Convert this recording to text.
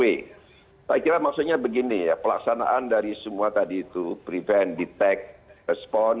saya kira maksudnya begini ya pelaksanaan dari semua tadi itu prevent detect respon